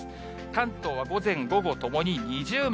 関東は午前、午後ともに二重丸。